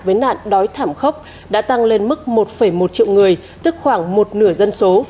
với nạn đói thảm khốc đã tăng lên mức một một triệu người tức khoảng một nửa dân số